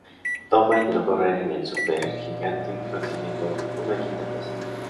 Tomba intentó correr en el supergigante consiguiendo una quinta plaza.